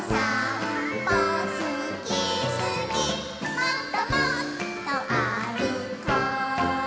「もっともっとあるこ！」